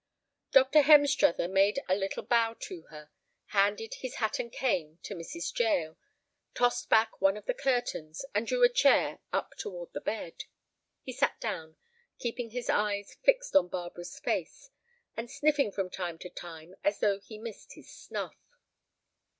Dr. Hemstruther made a little bow to her, handed his hat and cane to Mrs. Jael, tossed back one of the curtains, and drew a chair up toward the bed. He sat down, keeping his eyes fixed on Barbara's face, and sniffing from time to time as though he missed his snuff.